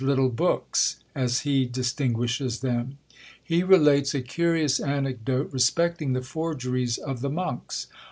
e. little books, as he distinguishes them. He relates a curious anecdote respecting the forgeries of the monks.